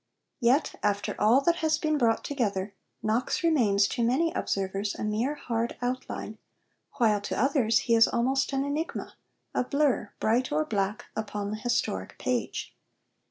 Yet, after all that has been brought together, Knox remains to many observers a mere hard outline, while to others he is almost an enigma a blur, bright or black, upon the historic page.